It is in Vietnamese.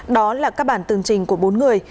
đó là các bản tương trình của bốn người